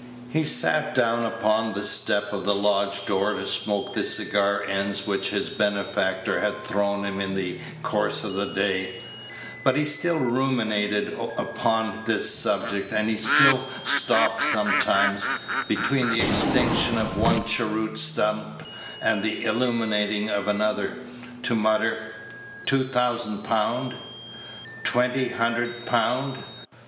He sat down upon the step of the lodge door to smoke the cigar ends which his benefactor had thrown him in the course of the day; but he still ruminated upon this subject, and he still stopped sometimes, between the extinction of one cheroot stump and the illuminating of another, to mutter, "Two thousand pound. Twenty hundred pound.